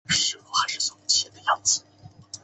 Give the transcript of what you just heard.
南京朝天宫冶山原有卞壸祠墓。